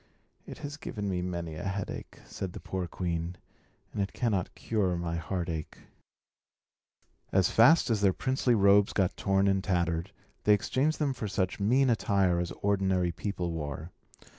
"It has given me many a headache," said the poor queen, "and it cannot cure my heartache." As fast as their princely robes got torn and tattered, they exchanged them for such mean attire as ordinary people wore.